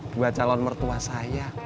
buat calon mertua saya